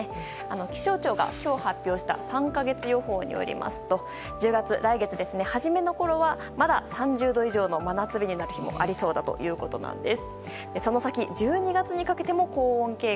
気象庁が今日発表した３か月予報によりますと来月、１０月初めのころはまだ３０度以上の真夏日になる日もありそうだということです。